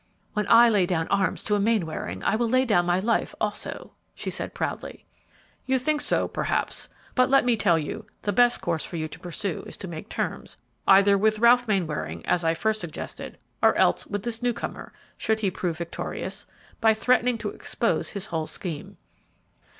"When I lay down arms to a Mainwaring, I will lay down my life also," she answered, proudly. "You think so, perhaps; but let me tell you the best course for you to pursue is to make terms, either with Ralph Mainwaring, as I first suggested, or else with this new comer should he prove victorious by threatening to expose his whole scheme."